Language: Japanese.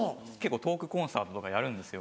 トークコンサートとかやるんですよ。